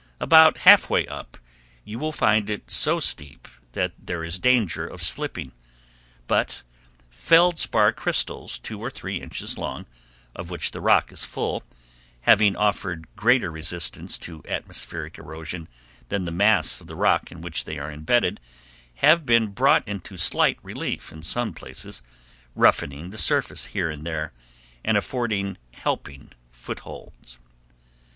About half way up you will find it so steep that there is danger of slipping, but feldspar crystals, two or three inches long, of which the rock is full, having offered greater resistance to atmospheric erosion than the mass of the rock in which they are imbedded, have been brought into slight relief in some places, roughening the surface here and there, and affording helping footholds.